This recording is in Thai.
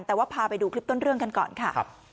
แต่ว่าพาไปดูคลิปต้นเรื่องกันก่อนค่ะ